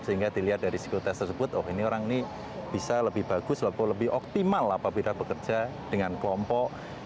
sehingga dilihat dari psikotest tersebut oh ini orang ini bisa lebih bagus lebih optimal apabila bekerja dengan kelompok